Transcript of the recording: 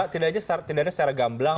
tidak ada secara gamblang